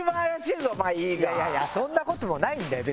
いやいやいやそんな事もないんだよ